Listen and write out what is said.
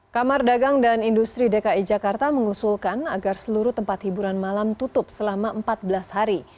kamar dagang dan industri dki jakarta mengusulkan agar seluruh tempat hiburan malam tutup selama empat belas hari